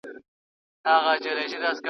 هم ډنګر وو هم له رنګه لکه سکور وو!.